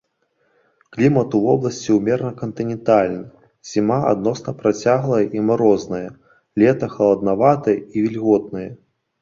Клімат у вобласці ўмерана кантынентальны, зіма адносна працяглая і марозная, лета халаднаватае і вільготнае.